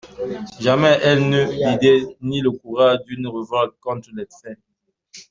Jamais elle n'eut l'idée ni le courage d'une révolte contre les faits.